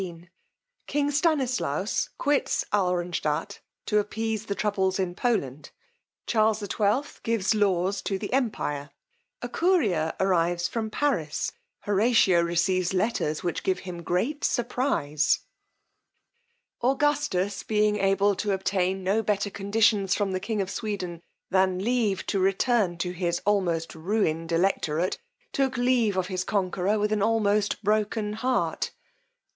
XVIII. _King Stanislaus quits Alranstadt to appease the troubles in Poland: Charles XII. gives laws to the empire: a courier arrives from Paris: Horatio receives letters which give him great surprize_. Augustus being able to obtain no better conditions from the king of Sweden, than leave to return to his almost ruined electorate, took leave of his conqueror with an almost broken heart.